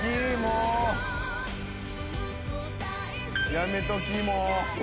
やめときもう。